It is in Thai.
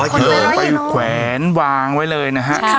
กิโลไปแขวนวางไว้เลยนะฮะ